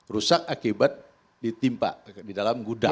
rusak akibat ditimpa di dalam gudang